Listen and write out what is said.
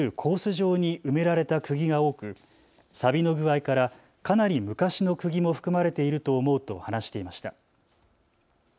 上に埋められたくぎが多くさびの具合からかなり昔のくぎも含まれていると思うと話していました。